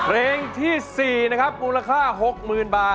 ร้องได้ร้องได้ร้องได้